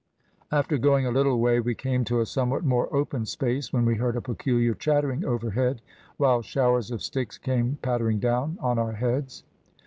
After going a little way we came to a somewhat more open space, when we heard a peculiar chattering overhead, while showers of sticks came pattering down on our heads.